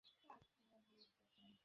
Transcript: অসাধারণ, বাবা!